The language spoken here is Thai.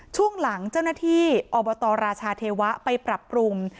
ช่วงหลังเจ้านาฏภีร์อรเทวะไปปรับปรุง